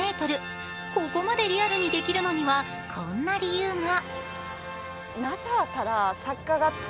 ここまでリアルにできるのにはこんな理由が。